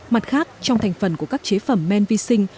mặt khác trong thành phần của các chế phẩm men vi sinh